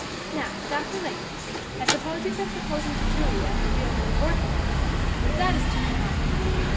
Now, Dr. Lacey, I suppose you have been proposing to Julia in the real old, orthodox way, but that is too common.